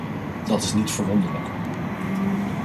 Dat is niet verwonderlijk.